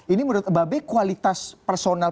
ini menurut mbak be kualitas personal